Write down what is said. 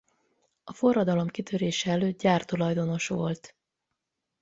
A forradalom kitörése előtt gyártulajdonos volt.